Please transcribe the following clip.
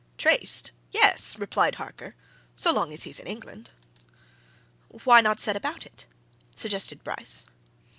"Traced yes," replied Harker. "So long as he's in England." "Why not set about it?" suggested Bryce.